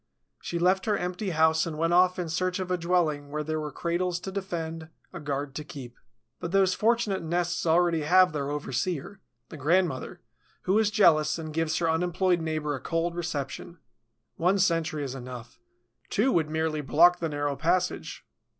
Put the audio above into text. She left her empty house and went off in search of a dwelling where there were cradles to defend, a guard to keep. But those fortunate nests already have their overseer, the grandmother, who is jealous and gives her unemployed neighbor a cold reception. One sentry is enough; two would merely block the narrow passage.